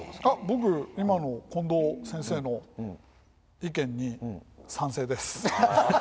あっ僕今の近藤先生の意見に賛成です。